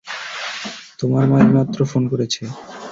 তোমার মা এইমাত্র ফোন করেছে।